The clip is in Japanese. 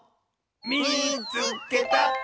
「みいつけた！」。